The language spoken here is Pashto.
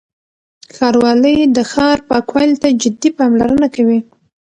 ښاروالۍ د ښار پاکوالي ته جدي پاملرنه کوي.